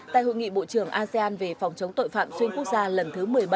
tại hội nghị bộ trưởng asean về phòng chống tội phạm xuyên quốc gia lần thứ một mươi bảy